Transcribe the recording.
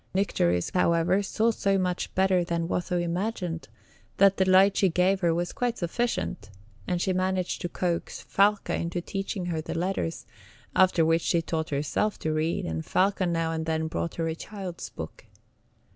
Nycteris, however, saw so much better than Watho imagined, that the light she gave her was quite sufficient, and she managed to coax Falca into teaching her the letters, after which she taught herself to read, and Falca now and then brought her a child's book.